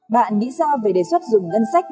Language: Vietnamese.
bạn nghĩ sao về đề xuất dùng dân sách